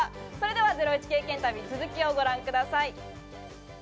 それではゼロイチ経験旅の続きをご覧ください。